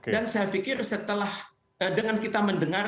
dan saya pikir setelah dengan kita mendengar